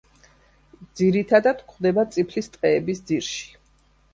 ძირითადად გვხვდება წიფლის ტყეების ძირში.